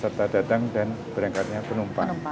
serta datang dan berangkatnya penumpang